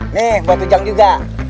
nih buat ujang juga